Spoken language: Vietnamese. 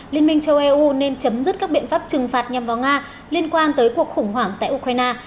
liên minh châu âu nên chấm dứt các biện pháp trừng phạt nhằm vào nga liên quan tới cuộc khủng hoảng tại ukraine